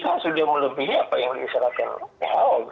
kita sudah melebihi apa yang disyaratkan oleh who